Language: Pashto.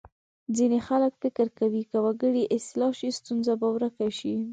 ځینې خلک فکر کوي که وګړي اصلاح شي ستونزه به ورکه شي.